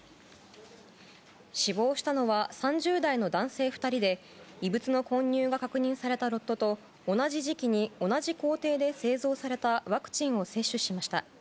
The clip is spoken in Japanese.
死亡したのは３０代の男性２人で異物の混入が確認されたロットと同じ時期に同じ工程で製造されたワクチンを接種しました。